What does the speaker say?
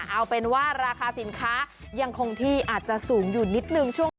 เอาเป็นว่าราคาสินค้ายังคงที่อาจจะสูงอยู่นิดนึงช่วงนี้